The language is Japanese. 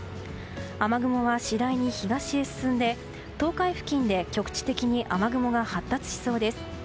雨雲は次第に東へ進んで東海付近で局地的に雨雲が発達しそうです。